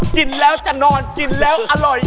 กินแล้วจะนอนกินแล้วอร่อย